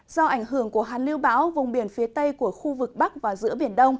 do ảnh hưởng của hàn lưu bão vùng biển phía tây của khu vực bắc và giữa biển đông